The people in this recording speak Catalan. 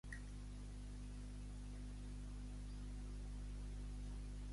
El mateix enregistrament es va publicar en diferents recopilacions de Robert Charlebois.